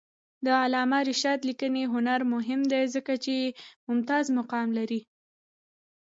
د علامه رشاد لیکنی هنر مهم دی ځکه چې ممتاز مقام لري.